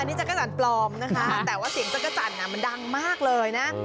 นี่จักรจันทร์ปลอมนะคะแต่ว่าเสียงจักรจันทร์มันดังมากเลยนะ